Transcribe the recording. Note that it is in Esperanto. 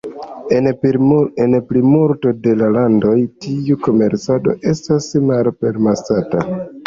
En plimulto de la landoj tiu komercado estas malpermesata.